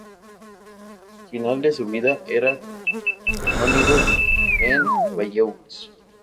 Hacia el final de su vida era canónigo en Bayeux.